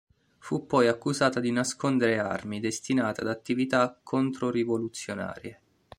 Fu poi accusata di nascondere armi destinate ad attività controrivoluzionarie.